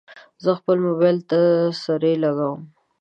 زه خپل موبایل ته سرۍ لګوم.